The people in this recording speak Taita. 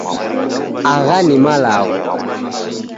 Agha ni malagho